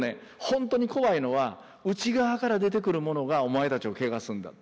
ほんとに怖いのは内側から出てくるものがお前たちをけがすんだ。